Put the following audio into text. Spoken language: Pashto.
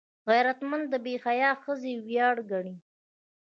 غیرتمند د باحیا ښځې ویاړ ګڼي